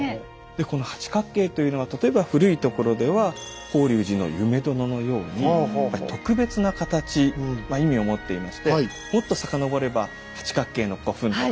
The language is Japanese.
でこの八角形というのは例えば古いところでは法隆寺の夢殿のように特別な形意味を持っていましてもっと遡れば八角形の古墳とか。